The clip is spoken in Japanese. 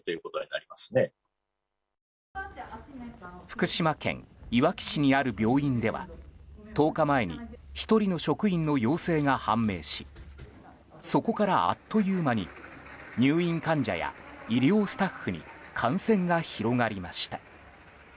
福島県いわき市にある病院では１０日前に１人の職員の陽性が判明しそこから、あっという間に入院患者や医療スタッフに感染が広がりました。